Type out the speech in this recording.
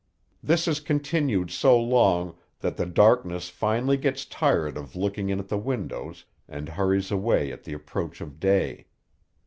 This is continued so long that the darkness finally gets tired of looking in at the windows, and hurries away at the approach of day.